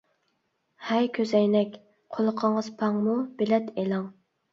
ھەي كۆزئەينەك، قۇلىقىڭىز پاڭمۇ؟ بېلەت ئېلىڭ!